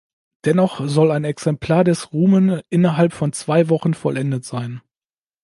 Dennoch soll ein Exemplar des Rumen innerhalb von zwei Wochen vollendet sein.